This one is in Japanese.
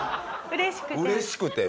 うれしくて。